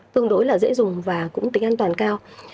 tương đối là dễ dùng và cũng tính an toàn cao